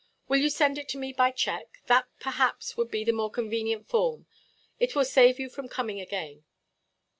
Will you send it to me by cheque? That, perhaps, would be the more convenient form. It will save you from coming again."